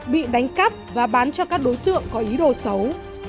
bị đánh cắp và bán cho các đối tượng có ý đồ xấu